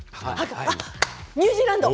あっニュージーランド。